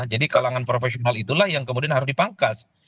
jadi kalangan profesional itulah yang kemudian harus dipangkat